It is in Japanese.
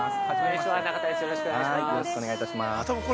◆中田です、よろしくお願いします。